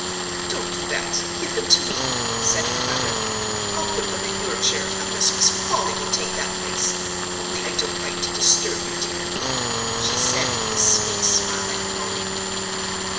"Don't do that; give them to me," said her mother; "I'll put them in your chair unless Miss Polly will take that place, only I don't like to disturb you, dear," she said with a sweet smile at Polly.